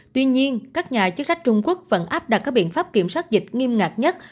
tuy nhiên các nhà chức trách trung quốc vẫn áp đặt các biện pháp kiểm soát dịch nghiêm ngặt nhất